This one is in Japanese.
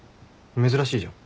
珍しいじゃん。